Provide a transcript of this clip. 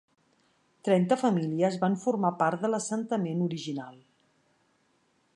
Trenta famílies van formar part de l'assentament original.